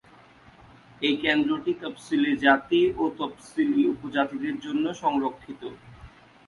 এই কেন্দ্রটি তফসিলী জাতি ও তফসিলী উপজাতিদের জন্য সংরক্ষিত।